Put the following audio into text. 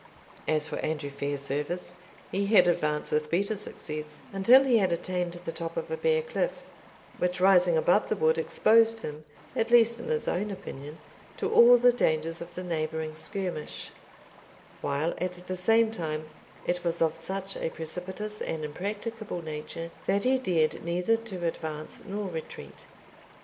As for Andrew Fairservice, he had advanced with better success, until he had attained the top of a bare cliff, which, rising above the wood, exposed him, at least in his own opinion, to all the dangers of the neighbouring skirmish, while, at the same time, it was of such a precipitous and impracticable nature, that he dared neither to advance nor retreat.